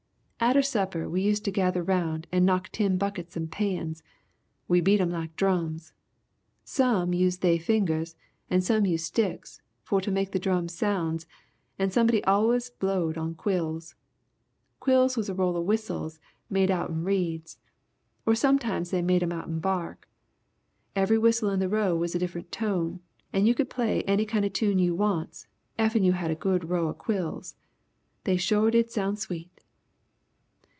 "Atter supper we used to gether round and knock tin buckets and pans, we beat 'em like drums. Some used they fingers and some used sticks for to make the drum sounds and somebody allus blowed on quills. Quills was a row of whistles made outen reeds, or sometimes they made 'em outen bark. Every whistle in the row was a different tone and you could play any kind of tune you wants effen you had a good row of quills. They sho' did sound sweet!